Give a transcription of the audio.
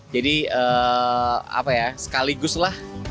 jadi apa ya sekaligus lah